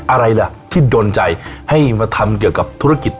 อะไรล่ะที่โดนใจให้มาทำเกี่ยวกับธุรกิจ